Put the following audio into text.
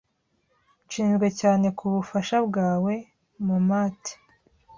Nshinzwe cyane kubufasha bwawe. mamat